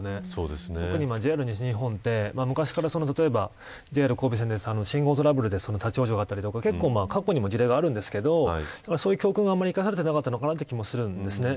特にＪＲ西日本って、昔からＪＲ神戸線で信号トラブルで立ち往生があったりとか過去にも事例があるんですけどそういう教訓が生かされてなかったのかなという気がします。